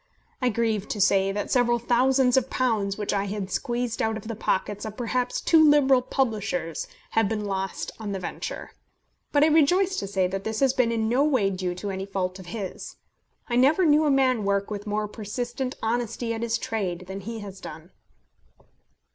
I grieve to say that several thousands of pounds which I had squeezed out of the pockets of perhaps too liberal publishers have been lost on the venture. But I rejoice to say that this has been in no way due to any fault of his. I never knew a man work with more persistent honesty at his trade than he has done.